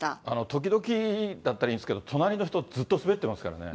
時々だったらいいんですけど、隣の人、ずっと滑ってますからね。